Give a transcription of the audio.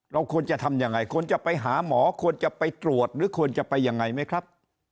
เราควรจะทำยังไงควรจะไปหาหมอควรจะไปตรวจหรือควรจะไปยังไงไหมครับ